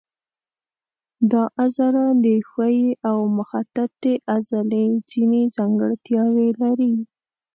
دا عضله د ښویې او مخططې عضلې ځینې ځانګړتیاوې لري.